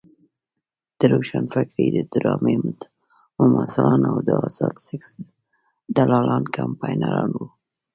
د روښانفکرۍ د ډرامې ممثلان او د ازاد سیکس دلالان کمپاینران وو.